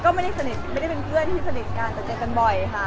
ก็ไม่ได้สนิทไม่ได้เป็นเพื่อนที่สนิทกันแต่เจอกันบ่อยค่ะ